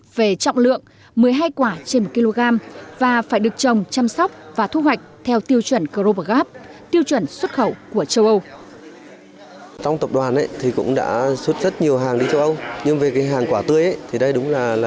về trọng lượng một mươi hai quả trên một kg và phải được trồng chăm sóc và thu hoạch theo tiêu chuẩn grobergap tiêu chuẩn xuất khẩu của châu âu